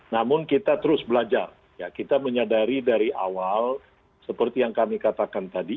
namun kita terus belajar kita menyadari dari awal seperti yang kami katakan tadi